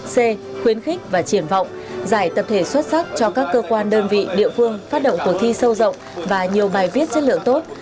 c khuyến khích và triển vọng giải tập thể xuất sắc cho các cơ quan đơn vị địa phương phát động cuộc thi sâu rộng và nhiều bài viết chất lượng tốt